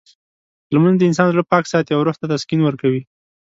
لمونځ د انسان زړه پاک ساتي او روح ته تسکین ورکوي.